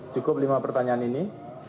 cukup lima pertanyaan ini